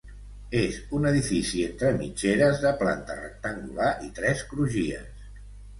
És un edifici entre mitgeres de planta rectangular i tres crugies.